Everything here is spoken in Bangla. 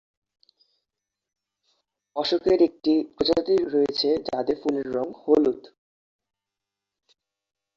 অশোকের একটি প্রজাতি রয়েছে যাদের ফুলের রঙ হলুদ।